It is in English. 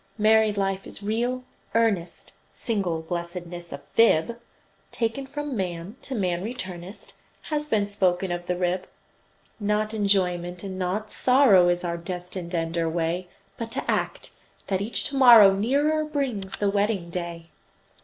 Married life is real, earnest, Single blessedness a fib, Taken from man, to man returnest, Has been spoken of the rib. Not enjoyment, and not sorrow, Is our destined end or way; But to act, that each to morrow Nearer brings the wedding day.